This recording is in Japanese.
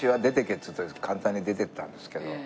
っつうと簡単に出てったんですけど。